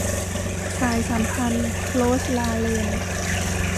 สายสัมพันธ์ - โรสลาเรน